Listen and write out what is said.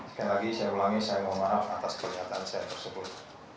sekali lagi saya ulangi saya mohon maaf atas pernyataan saya tersebut